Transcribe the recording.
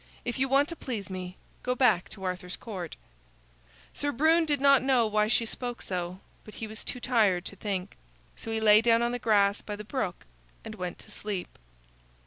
If you want to please me, go back to Arthur's Court." Sir Brune did not know why she spoke so, but he was too tired to think. So he lay down on the grass by the brook and went to sleep.